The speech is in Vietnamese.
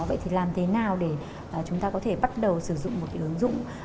vậy thì làm thế nào để chúng ta có thể bắt đầu sử dụng một cái ứng dụng